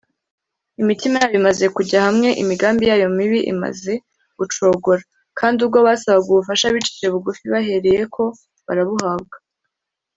imitima yabo imaze kujya hamwe, imigambi yabo mibi imaze gucogora, kandi ubwo basabaga ubufasha bicishije bugufi, bahereyeko barabuhabwa